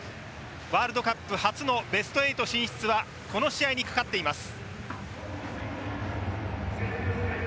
ワールドカップ初のベスト８進出はこの試合にかかっています。